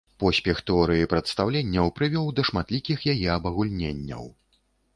Поспех тэорыі прадстаўленняў прывёў да шматлікіх яе абагульненняў.